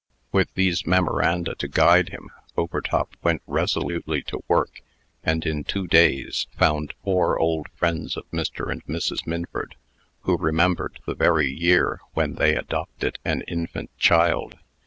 With these memoranda to guide him, Overtop went resolutely to work, and, in two days, found four old friends of Mr. and Mrs. Minford, who remembered the very year when they adopted an infant child.